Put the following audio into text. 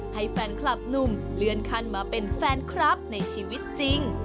ให้แฟนคลับหนุ่มเลื่อนขั้นมาเป็นแฟนคลับในชีวิตจริง